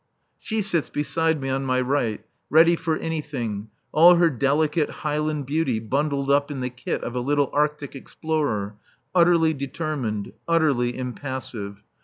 She sits beside me on my right, ready for anything, all her delicate Highland beauty bundled up in the kit of a little Arctic explorer, utterly determined, utterly impassive.